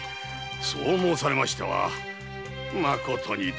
そう申されましてはまことにどうも。